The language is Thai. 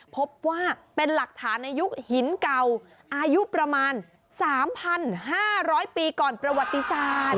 พบว่าเป็นหลักฐานในยุคหินเก่าอายุประมาณ๓๕๐๐ปีก่อนประวัติศาสตร์